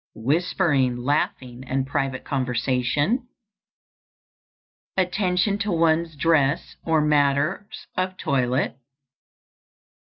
_ Whispering, laughing, and private conversation. _Attention to one's dress or matters of toilet.